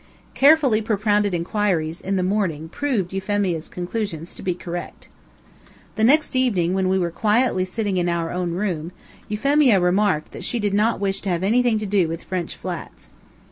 Carefully propounded inquiries, in the morning, proved Euphemia's conclusions to be correct. The next evening, when we were quietly sitting in our own room, Euphemia remarked that she did not wish to have anything to do with French flats.